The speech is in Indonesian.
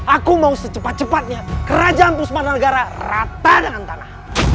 aku mau secepat cepatnya kerajaan puspanegara rata dengan tanah